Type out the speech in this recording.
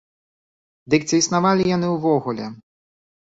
Дык ці існавалі яны ўвогуле?